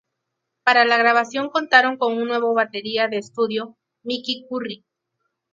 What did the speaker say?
Para la grabación contaron con un nuevo batería de estudio, Mickey Curry.